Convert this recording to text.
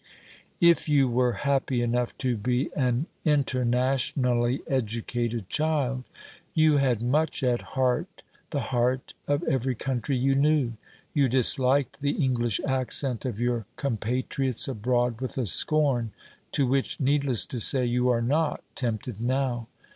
If you were happy enough to be an internationally educated child, you had much at heart the heart of every country you knew. You disliked the English accent of your compatriots abroad with a scorn to which, needless to say, you are not tempted now.